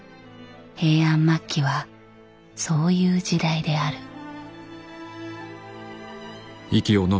平安末期はそういう時代である。